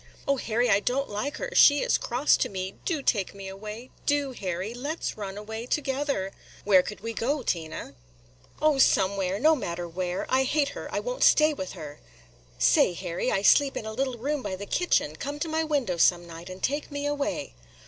"O Harry, I don't like her, – she is cross to me. Do take me away, – do, Harry! Let 's run away together." "Where could we go, Tina?" "O, somewhere, – no matter where. I hate her I won't stay with her. Say, Harry, I sleep in a little room by the kitchen; come to my window some night and take me away."